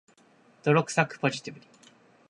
泥臭く、ポジティブに